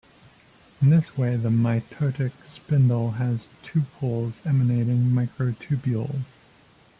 In this way, the mitotic spindle has two poles emanating microtubules.